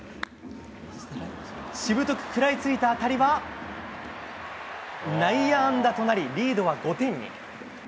しぶとく食らいついた当たりは、内野安打となり、リードは５点に。